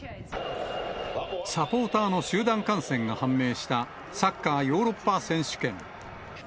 サポーターの集団感染が判明したサッカーヨーロッパ選手権。